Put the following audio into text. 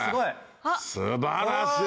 素晴らしい。